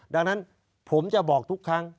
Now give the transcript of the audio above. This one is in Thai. ดังนั้นผมจะบอกทุกครั้ง